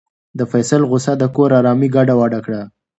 د فیصل غوسه د کور ارامي ګډوډه کړه.